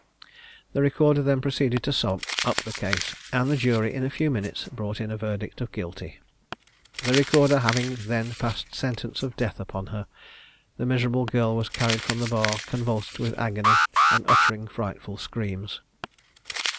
The recorder then proceeded to sum up the case, and the jury in a few minutes brought in a verdict of guilty. The recorder having then passed sentence of death upon her, the miserable girl was carried from the bar convulsed with agony, and uttering frightful screams.